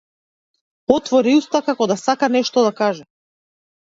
Отвори уста како да сака нешто да каже.